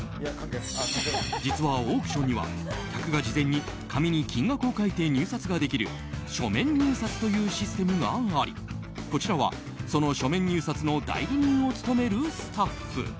実はオークションには客が事前に紙に金額を書いて入札ができる書面入札というシステムがありこちらは、その書面入札の代理人を務めるスタッフ。